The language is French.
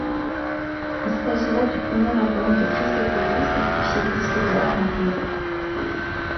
Il s'agit là du premier album de Christofórou certifié disque d'or en Grèce.